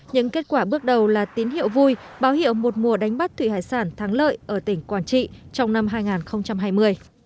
những kết quả bước đầu là tín hiệu vui báo hiệu một mùa đánh bắt thủy hải sản thắng lợi ở tỉnh quảng trị trong năm hai nghìn hai mươi